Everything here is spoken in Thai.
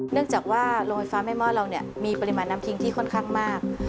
เนื่องจากว่าโรงไฟฟ้าแม่มอดเรามีปริมาณน้ำคิงที่ค่อนข้างมาก